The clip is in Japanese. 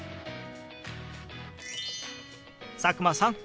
佐久間さん